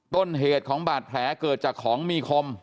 ต้นเหตุของบาดแผลเกิดจากของมีคม